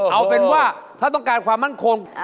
เอาเป็นว่าถ้าต้องการความมั่นคง